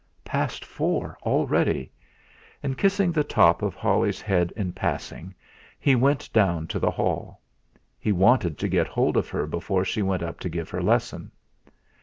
Past four already! And kissing the top of Holly's head in passing, he went down to the hall. He wanted to get hold of her before she went up to give her lesson.